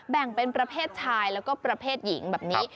แบ่งเป็นประเภทชายแล้วก็ประเภทหญิงแบบนี้